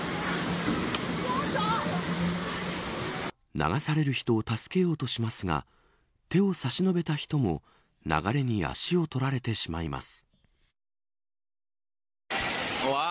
流される人を助けようとしますが手を差し伸べた人も流れに足を取られてしまいます。